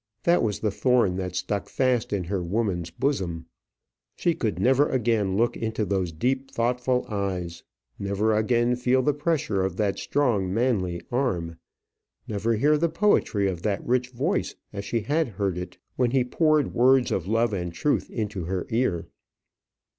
That was the thorn that stuck fast in her woman's bosom. She could never again look into those deep, thoughtful eyes; never again feel the pressure of that strong, manly arm; never hear the poetry of that rich voice as she had heard it when he poured words of love and truth into her ear.